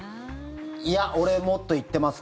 いや俺もっといってますね。